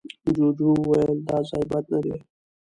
جوجو وويل، دا ځای بد نه دی.